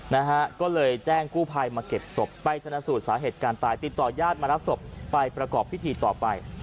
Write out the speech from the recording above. นะฮะก็เลยแจ้งกู้ภัยมาเก็บศพไปชนะสูตรสาเหตุการณ์ตายติดต่อญาติมารับศพไปประกอบพิธีต่อไป